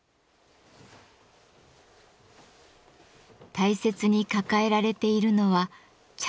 大切に抱えられているのは茶壺。